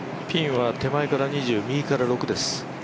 ピンは手前から２０、右から６です。